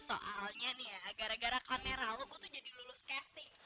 soalnya nih ya gara gara kamera lo gue tuh jadi lulus casting